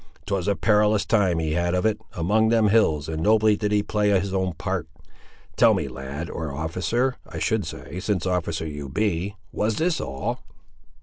'Twas a perilous time he had of it, among them hills, and nobly did he play his own part! Tell me, lad, or officer, I should say,—since officer you be,—was this all?"